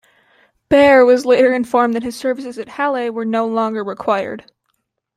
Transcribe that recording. Baer was later informed that his services at Halle were no longer required.